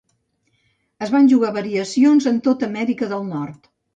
Es van jugar variacions en tota Amèrica del Nord.